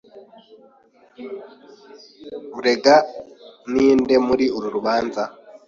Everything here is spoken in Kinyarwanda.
Urega ninde muri uru rubanza?